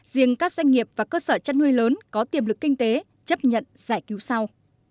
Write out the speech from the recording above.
riêng các doanh nghiệp và cơ sở chăn nuôi lớn có tiềm lực kinh tế chấp nhận giải cứu sau